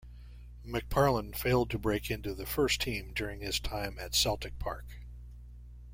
McParland failed to break into the first team during his time at Celtic Park.